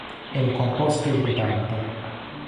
È un composto irritante.